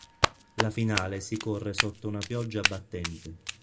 La finale si corre sotto una pioggia battente.